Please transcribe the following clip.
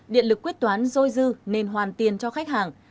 điện lực quyết toán dôi dư nên hoàn tiền cho khách hàng